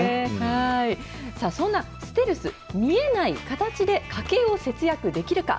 そんなステルス、見えない形で家計を節約できるか。